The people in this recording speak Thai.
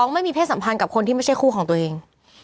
ไม่มีเพศสัมพันธ์กับคนที่ไม่ใช่คู่ของตัวเอง